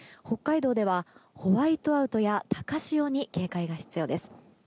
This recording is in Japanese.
北海道ではホワイトアウトや高潮に警戒が必要です。